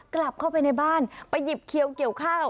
กลับเข้าไปในบ้านไปหยิบเขียวเกี่ยวข้าว